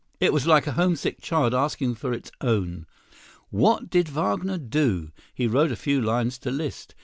It was like a homesick child asking for its own. What did Wagner do? He wrote a few lines to Liszt.